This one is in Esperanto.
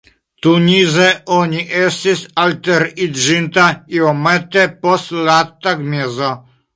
Tunize oni estis alteriĝinta iomete post la tagmezo.